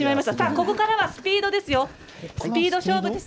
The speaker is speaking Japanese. ここからはスピード勝負です。